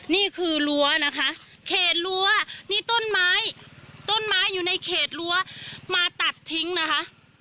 นี่คือรั้วนะคะเขตรั้วนี่ต้นไม้ต้นไม้อยู่ในเขตรั้วมาตัดทิ้งนะคะ